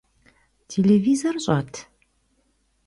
Телевизор щӏэт?